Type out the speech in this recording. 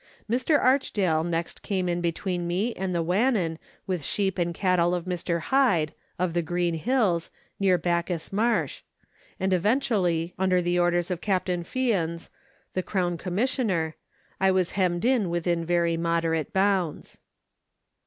Mr. Arch dale next came in between me and the Wannon with sheep and cattle of Mr. Hyde, of the Green Hills, near Bacchus Marsh, and eventually, under the orders of Captain Fyans, the Crown Commissioner, I was hemmed in within very moderate bounds.